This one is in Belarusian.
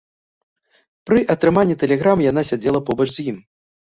Пры атрыманні тэлеграм яна сядзела побач з ім.